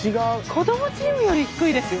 子どもチームより低いですよ！